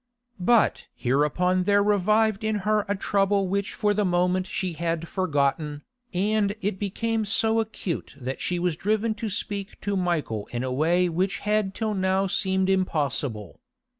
But hereupon there revived in her a trouble which for the moment she had forgotten, and it became so acute that she was driven to speak to Michael in a way which had till now seemed impossible.